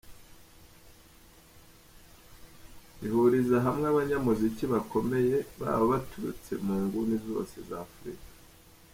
Rihuriza hamwe abanyamuziki bakomeye baba baturutse mu nguni zose za Afurika.